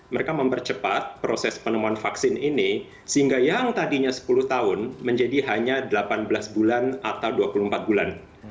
mereka mempercepat proses penemuan vaksin ini sehingga yang tadinya sepuluh tahun menjadi hanya delapan belas bulan atau dua puluh empat bulan